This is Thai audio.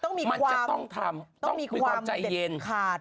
ต้องมีความใจเย็นต้องมีความเด็ดขาด